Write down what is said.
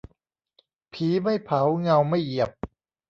ผีไม่เผาเงาไม่เหยียบ